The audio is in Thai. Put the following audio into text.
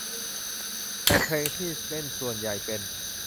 แต่เพลงที่เล่นส่วนใหญ่เป็น